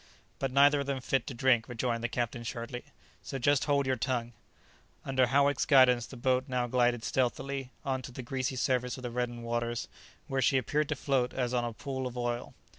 "But neither of them fit to drink," rejoined the captain sharply, "so just hold your tongue!" Under Howick's guidance the boat now glided stealthily on to the greasy surface of the reddened waters, where she appeared to float as on a pool of oil.